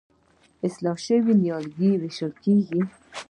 د اصلاح شویو نیالګیو ویشل کیږي.